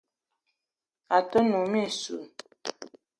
A te num mintchoul